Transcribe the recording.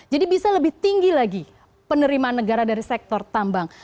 jadi bisa lebih tinggi lagi penerimaan negara dari sektor tambang